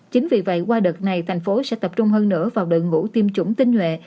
chính vì vậy qua đợt này tp hcm sẽ tập trung hơn nữa vào đợt ngũ tiêm chủng tinh nguệ